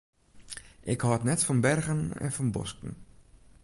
Ik hâld net fan bergen en fan bosken.